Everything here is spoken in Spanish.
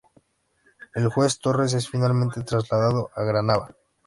El juez Torres es finalmente trasladado a Granada.